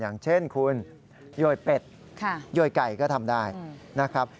อย่างเช่นคุณโยยเป็ดโยยไก่ก็ทำได้นะครับ